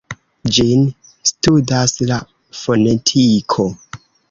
Ĝin studas la fonetiko.